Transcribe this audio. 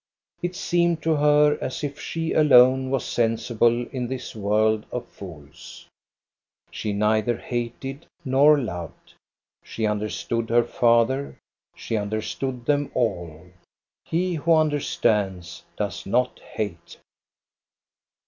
It seemed to her as if she alone was sensible in this world of fools. THE AUCTION AT BJORNE 143 She neither hated nor loved. She understood her father; she understood them all. He wh Q>.ixnHf*r4 stands does not hate.